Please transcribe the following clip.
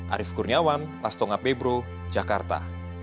arief kurniawan pastonga bebro jakarta